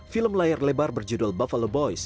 film layar lebar berjudul bufale boys